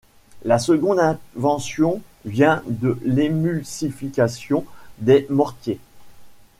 La seconde invention vient de l’émulsification des mortiers.